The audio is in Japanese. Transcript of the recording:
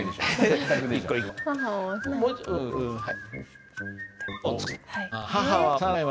はい！